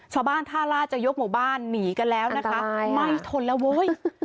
ชาวบ้านท่าล่าจะยกหมู่บ้านหนีกันแล้วนะคะไม่ทนแล้วเว้ย